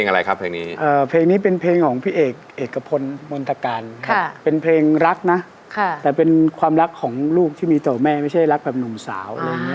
อ่าเพลงนี้ชื่อเพลงว่าอะไรนะคะ